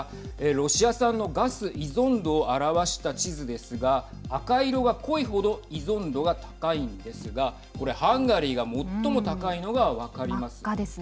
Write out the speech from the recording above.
ロシア産のガス依存度を表した地図ですが赤い色が濃いほど依存度が高いんですがこれ、ハンガリーが最も高いのが分かります。